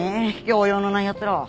教養のないやつらは